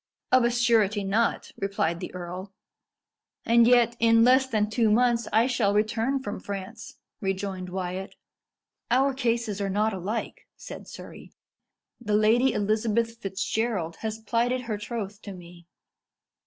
"Of a surety not," replied the earl. "And yet, in less than two months I shall return from France," rejoined Wyat. "Our cases are not alike," said Surrey. "The Lady Elizabeth Fitzgerald has plighted her troth to me."